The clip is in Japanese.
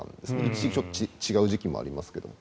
一時期、違う時期もありますが。